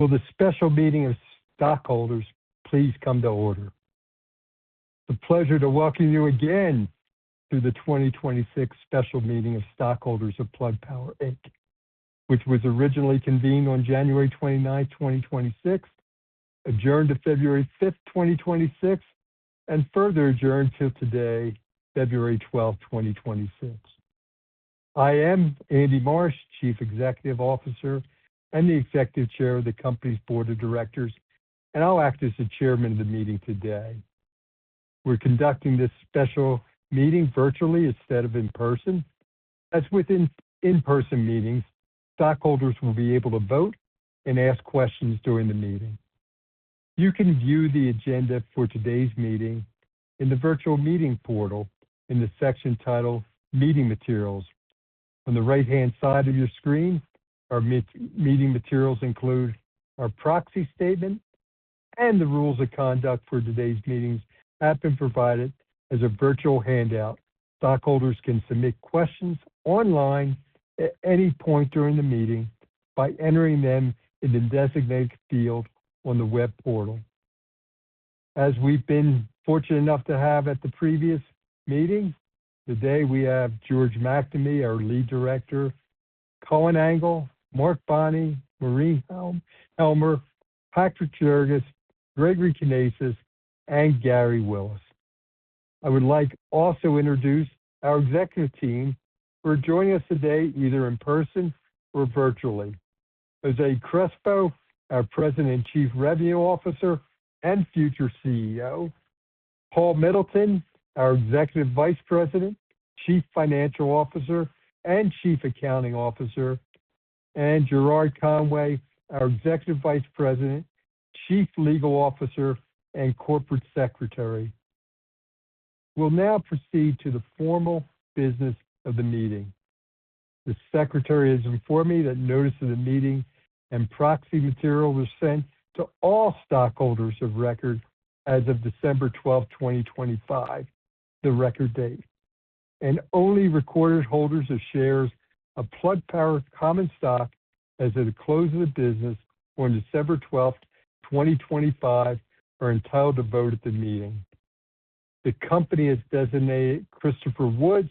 Will the special meeting of stockholders please come to order? It's a pleasure to welcome you again to the 2026 special meeting of stockholders of Plug Power, Inc., which was originally convened on January 29, 2026, adjourned to February 5, 2026, and further adjourned till today, February 12, 2026. I am Andy Marsh, Chief Executive Officer and the Executive Chair of the company's Board of Directors, and I'll act as the chairman of the meeting today. We're conducting this special meeting virtually instead of in person. As with in-person meetings, stockholders will be able to vote and ask questions during the meeting. You can view the agenda for today's meeting in the virtual meeting portal in the section titled Meeting Materials. On the right-hand side of your screen, our meeting materials include our proxy statement, and the rules of conduct for today's meetings have been provided as a virtual handout. Stockholders can submit questions online at any point during the meeting by entering them in the designated field on the web portal. As we've been fortunate enough to have at the previous meeting, today, we have George McNamee, our Lead Director, Colin Angle, Mark Bonney, Maureen Helmer, Patrick Spence, Gregory Kenausis, and Gary Willis. I would like also introduce our executive team who are joining us today, either in person or virtually. José Crespo, our President and Chief Revenue Officer and future CEO, Paul Middleton, our Executive Vice President, Chief Financial Officer, and Chief Accounting Officer, and Gerard Conway, our Executive Vice President, Chief Legal Officer, and Corporate Secretary. We'll now proceed to the formal business of the meeting. The Secretary has informed me that notice of the meeting and proxy material was sent to all stockholders of record as of December twelfth, twenty twenty-five, the record date. Only record holders of shares of Plug Power common stock as of the close of business on December twelfth, twenty twenty-five, are entitled to vote at the meeting. The company has designated Christopher Woods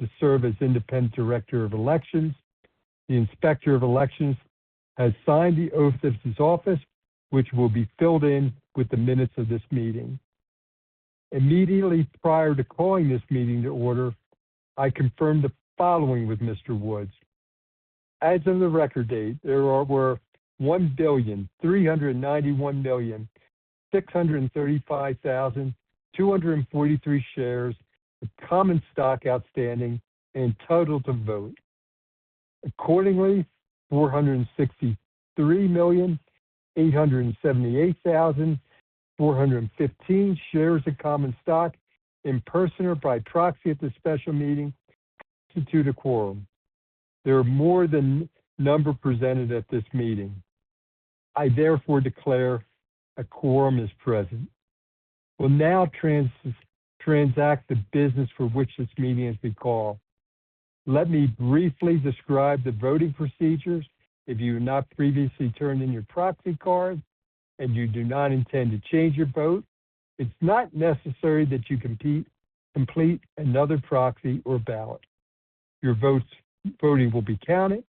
to serve as Independent Inspector of Elections. The Inspector of Elections has signed the oath of his office, which will be filed in with the minutes of this meeting. Immediately prior to calling this meeting to order, I confirmed the following with Mr. Woods: As of the record date, there are, were 1,391,635,243 shares of common stock outstanding in total to vote. Accordingly, 463,878,415 shares of common stock, in person or by proxy at this special meeting, constitute a quorum. There are more than the number presented at this meeting. I therefore declare a quorum is present. We'll now transact the business for which this meeting has been called. Let me briefly describe the voting procedures. If you have not previously turned in your proxy card, and you do not intend to change your vote, it's not necessary that you complete another proxy or ballot. Your voting will be counted.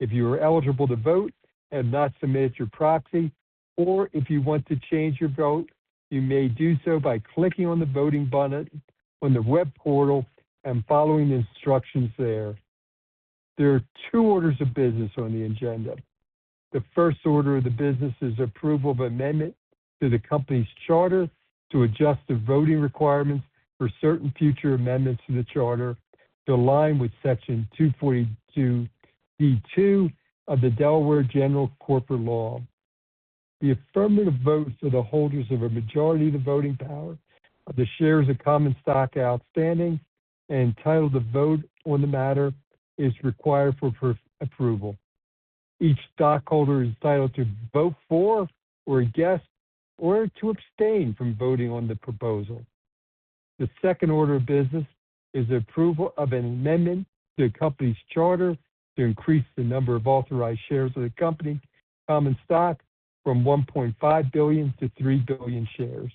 If you are eligible to vote and not submit your proxy, or if you want to change your vote, you may do so by clicking on the voting button on the web portal and following the instructions there. There are two orders of business on the agenda. The first order of the business is approval of amendment to the company's charter to adjust the voting requirements for certain future amendments to the charter to align with Section 242(d)(2) of the Delaware General Corporation Law. The affirmative votes of the holders of a majority of the voting power of the shares of common stock outstanding and entitled to vote on the matter, is required for approval. Each stockholder is entitled to vote for or against, or to abstain from voting on the proposal. The second order of business is the approval of an amendment to the company's charter to increase the number of authorized shares of the company's common stock from 1.5 billion to 3 billion shares.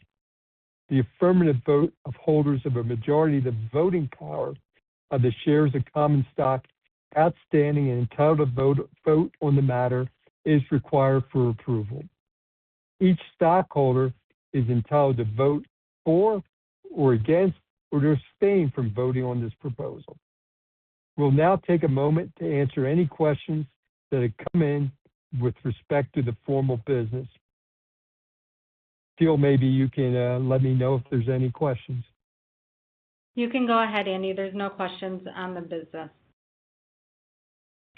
The affirmative vote of holders of a majority of the voting power of the shares of common stock outstanding and entitled to vote, vote on the matter, is required for approval. Each stockholder is entitled to vote for or against, or to abstain from voting on this proposal. We'll now take a moment to answer any questions that have come in with respect to the formal business. Phil, maybe you can let me know if there's any questions. You can go ahead, Andy. There's no questions on the business.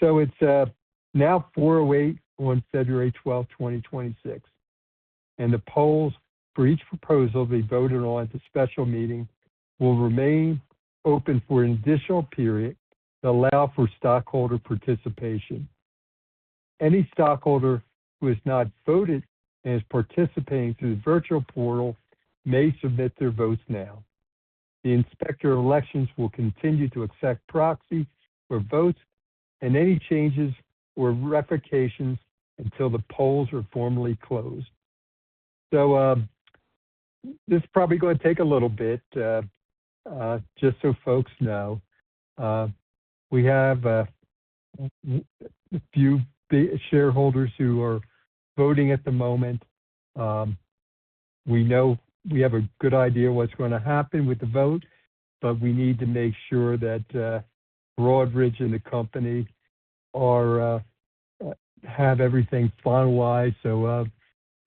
So it's now 4:08 P.M. on February twelfth, 2026, and the polls for each proposal to be voted on at the special meeting will remain open for an additional period to allow for stockholder participation. Any stockholder who has not voted and is participating through the virtual portal may submit their votes now. The Inspector of Elections will continue to accept proxy for votes and any changes or revocations until the polls are formally closed. So, this is probably going to take a little bit, just so folks know. We have a few shareholders who are voting at the moment. We know... We have a good idea what's going to happen with the vote, but we need to make sure that Broadridge and the company are have everything finalized, so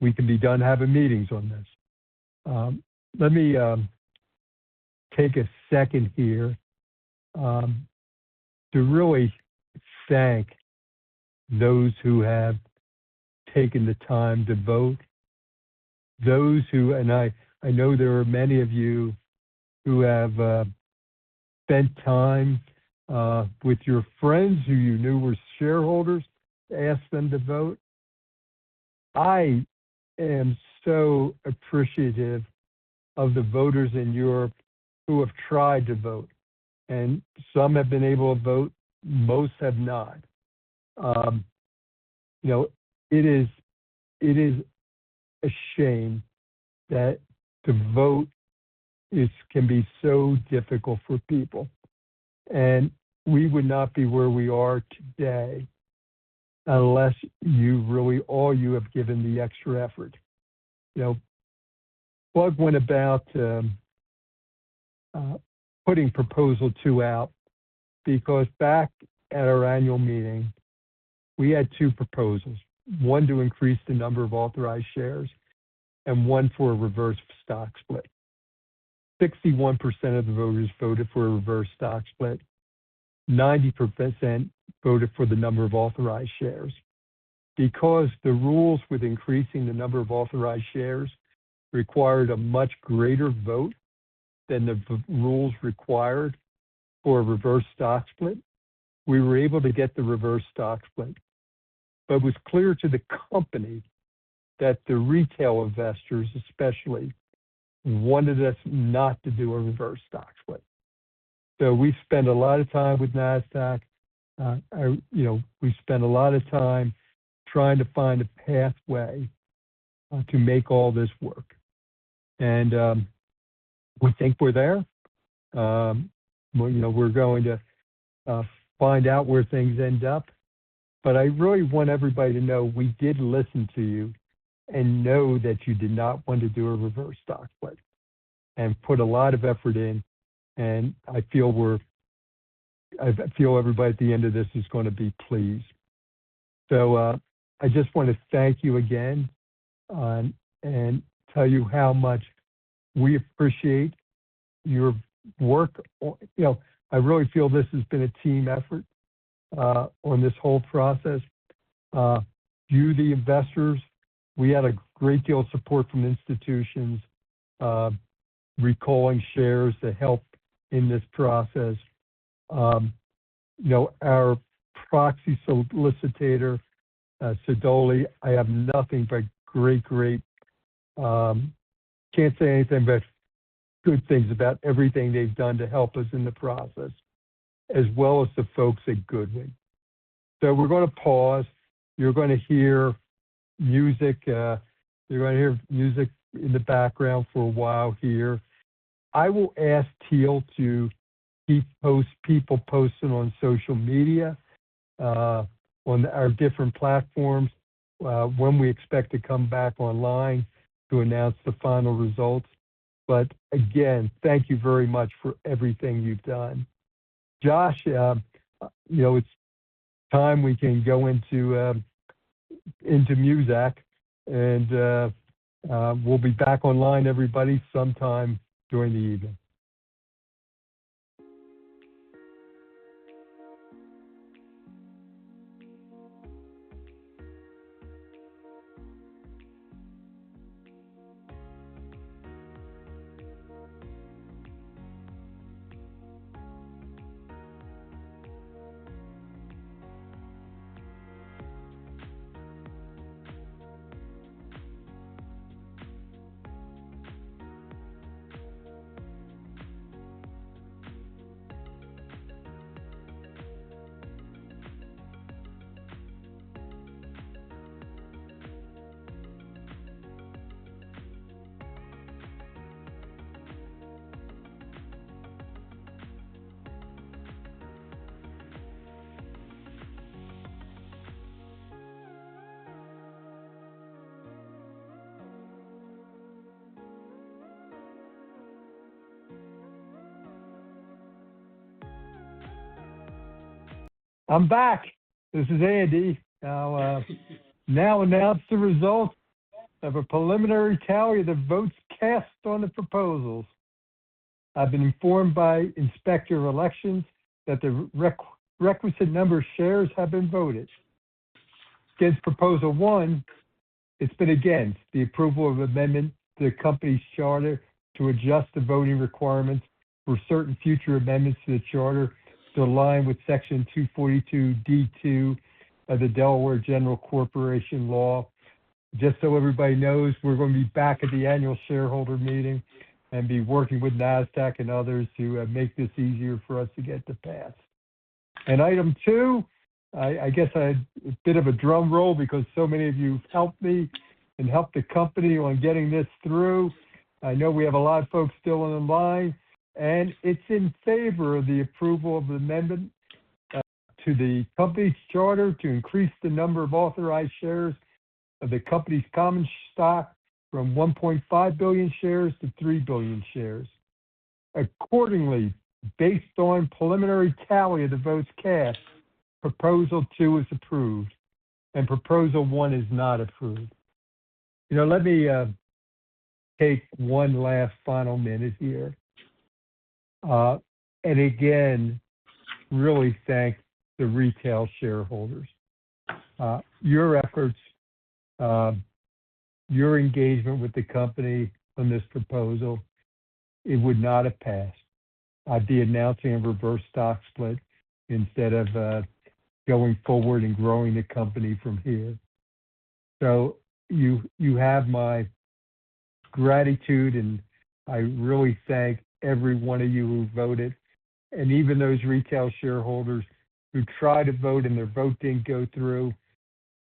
we can be done having meetings on this. Let me take a second here to really thank those who have taken the time to vote. Those who, and I know there are many of you who have spent time with your friends who you knew were shareholders, to ask them to vote. I am so appreciative of the voters in Europe who have tried to vote, and some have been able to vote, most have not. You know, it is a shame that to vote is can be so difficult for people, and we would not be where we are today unless you really, all you have given the extra effort. You know, Plug went about putting proposal two out because back at our annual meeting, we had two proposals. One, to increase the number of authorized shares and one for a reverse stock split. 61% of the voters voted for a reverse stock split. 90% voted for the number of authorized shares. Because the rules with increasing the number of authorized shares required a much greater vote than the rules required for a reverse stock split, we were able to get the reverse stock split. But it was clear to the company that the retail investors, especially, wanted us not to do a reverse stock split. So we spent a lot of time with Nasdaq. You know, we spent a lot of time trying to find a pathway to make all this work, and we think we're there. Well, you know, we're going to find out where things end up, but I really want everybody to know we did listen to you and know that you did not want to do a reverse stock split and put a lot of effort in. I feel everybody at the end of this is going to be pleased. So, I just want to thank you again, and tell you how much we appreciate your work. You know, I really feel this has been a team effort on this whole process. You, the investors, we had a great deal of support from institutions, recalling shares to help in this process. You know, our proxy solicitor, Sidoti, I have nothing but great, great... Can't say anything but good things about everything they've done to help us in the process, as well as the folks at Goodwin. So we're going to pause. You're going to hear music in the background for a while here. I will ask Teal to keep posted, people posting on social media, on our different platforms, when we expect to come back online to announce the final results. But again, thank you very much for everything you've done. Josh, you know, it's time we can go into, into Muzak and, we'll be back online, everybody, sometime during the evening. I'm back. This is Andy. I'll now announce the results of a preliminary tally of the votes cast on the proposals. I've been informed by Inspector of Elections that the requisite number of shares have been voted. Against proposal one, it's been against the approval of amendment to the company's charter to adjust the voting requirements for certain future amendments to the charter to align with Section 242(d)(2) of the Delaware General Corporation Law. Just so everybody knows, we're gonna be back at the annual shareholder meeting and be working with Nasdaq and others to make this easier for us to get it to pass. And item two, I guess I—a bit of a drum roll because so many of you helped me and helped the company on getting this through. I know we have a lot of folks still on the line, and it's in favor of the approval of the amendment to the company's charter to increase the number of authorized shares of the company's common stock from 1.5 billion shares to 3 billion shares. Accordingly, based on preliminary tally of the votes cast, proposal two is approved, and proposal one is not approved. You know, let me take one last final minute here, and again, really thank the retail shareholders. Your efforts, your engagement with the company on this proposal, it would not have passed. I'd be announcing a reverse stock split instead of going forward and growing the company from here. So you, you have my gratitude, and I really thank every one of you who voted, and even those retail shareholders who tried to vote and their vote didn't go through.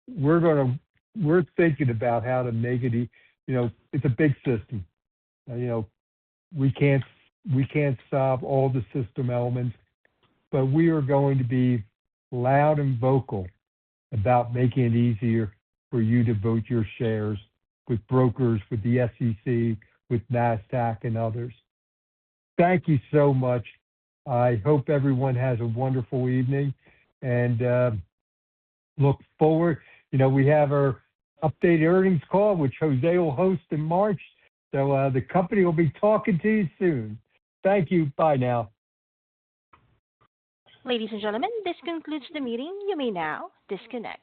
We're gonna-- We're thinking about how to make it e- You know, it's a big system. You know, we can't, we can't solve all the system elements, but we are going to be loud and vocal about making it easier for you to vote your shares with brokers, with the SEC, with Nasdaq and others. Thank you so much. I hope everyone has a wonderful evening and, look forward... You know, we have our updated earnings call, which José will host in March. So, the company will be talking to you soon. Thank you. Bye now. Ladies and gentlemen, this concludes the meeting. You may now disconnect.